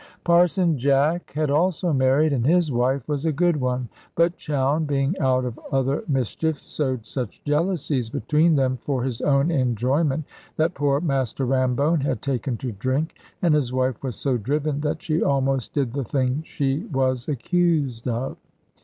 Parson Jack had also married, and his wife was a good one; but Chowne (being out of other mischief) sowed such jealousies between them for his own enjoyment, that poor Master Rambone had taken to drink, and his wife was so driven that she almost did the thing she was accused of.